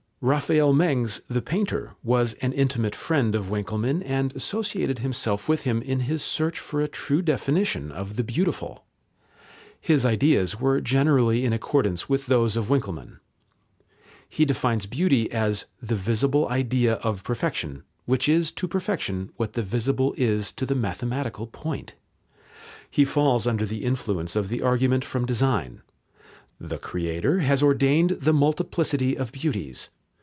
Raphael Mengs, the painter, was an intimate friend of Winckelmann and associated himself with him in his search for a true definition of the beautiful. His ideas were generally in accordance with those of Winckelmann. He defines beauty as "the visible idea of perfection, which is to perfection what the visible is to the mathematical point." He falls under the influence of the argument from design. The Creator has ordained the multiplicity of beauties.